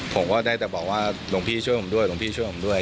ผมก็ได้แต่บอกว่าหลวงพี่ช่วยผมด้วยหลวงพี่ช่วยผมด้วย